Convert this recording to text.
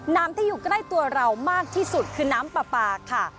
น้ำที่อยู่ใกล้ตัวเรามากที่สุดคือน้ำปลาปลาค่ะ